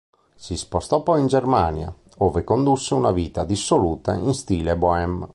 Si spostò poi in Germania, ove condusse una vita dissoluta in stile bohème.